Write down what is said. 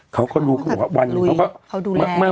เขาก็รู้ว่าวันหนึ่งเขาดูแล